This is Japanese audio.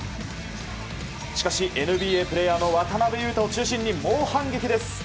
しかし、ＮＢＡプレーヤーの渡邊雄太を中心に猛反撃です。